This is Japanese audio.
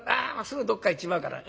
すぐどっか行っちまうから。